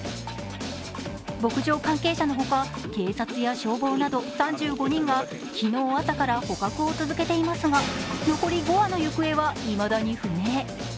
牧場関係者の他警察や消防など３５人が昨日朝から捕獲を続けていますが、残り５羽の行方はいまだに不明。